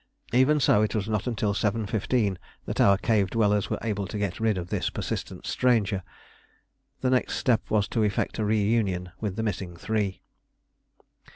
Even so, it was not until 7.15 that our cave dwellers were able to get rid of this persistent stranger. The next step was to effect a reunion with the missing three.